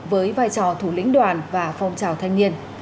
với vai trò thủ lĩnh đoàn và phong trào thanh niên